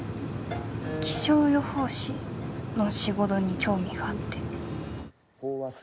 気象予報士の仕事に興味があって。